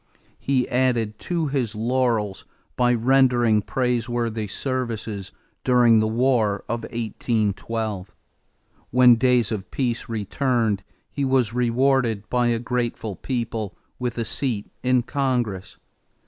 He added to his laurels by rendering praiseworthy services during the war of 1812. When days of peace returned he was rewarded by a grateful people with a seat in Congress.